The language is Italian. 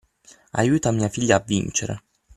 Aiuta mia figlia a vincere!